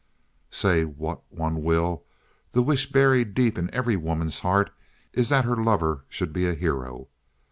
Say what one will, the wish buried deep in every woman's heart is that her lover should be a hero.